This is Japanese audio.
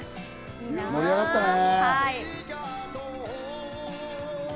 盛り上がったね。